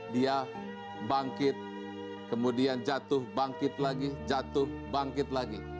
dia bangkit kemudian jatuh bangkit lagi jatuh bangkit lagi